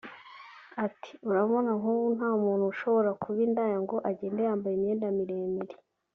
Ati″Urabona nk’ubu nta muntu ushobora kuba indaya ngo agende yambaye imyenda miremire